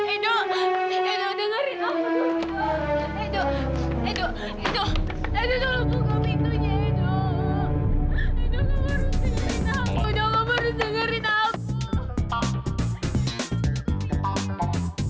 edo dengerin aku